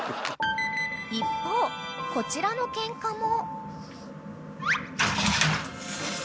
［一方こちらのケンカも］